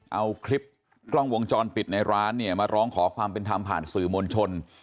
เอาคลิปกล้องวงจรปิดในร้านเนี่ยมาร้องขอความเป็นธรรมผ่านสื่อมวลชน